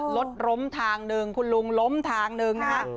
รถล้มทางหนึ่งคุณลุงล้มทางหนึ่งนะฮะ